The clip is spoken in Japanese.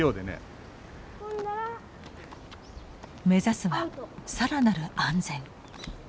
目指すは更なる安全。